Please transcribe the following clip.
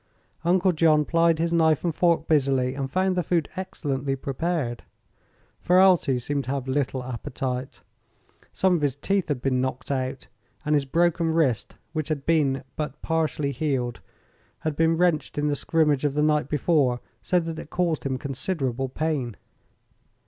Uncle John plied his knife and fork busily and found the food excellently prepared. Ferralti seemed to have little appetite. Some of his teeth had been knocked out and his broken wrist, which had but partially healed, had been wrenched in the scrimmage of the night before so that it caused him considerable pain.